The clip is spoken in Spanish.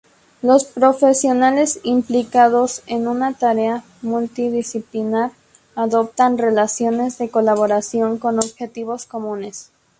Los profesionales implicados en una tarea multidisciplinar adoptan relaciones de colaboración con objetivos comunes.